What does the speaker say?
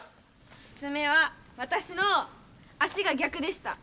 ５つ目はわたしの足が逆でした。